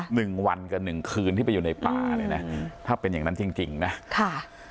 หนึ่งวันกับหนึ่งคืนที่ไปอยู่ในป่าเลยนะถ้าเป็นอย่างนั้นจริงจริงนะค่ะ